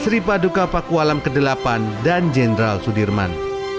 seri paduka pakualam viii dan jendral sudirman